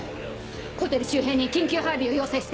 ホテル周辺に緊急配備を要請して。